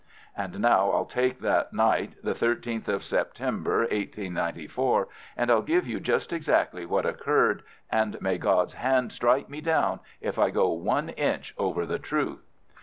And now I'll take that night, the 13th of September, 1894, and I'll give you just exactly what occurred, and may God's hand strike me down if I go one inch over the truth.